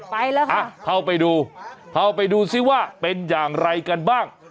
ไปแล้วค่ะเข้าไปดูเข้าไปดูซิว่าเป็นอย่างไรกันบ้าง